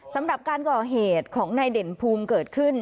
สำหรับการก่อเหตุของนายเด่นภูมิเกิดขึ้น